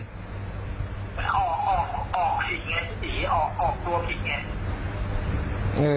ออกออกออกออกสิเนี่ยสีออกออกตัวผิดเนี่ย